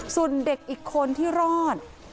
ส่วนเด็กอีกคนที่รอด